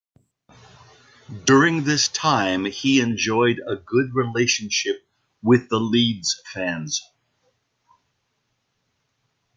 During this time he enjoyed a good relationship with the Leeds fans.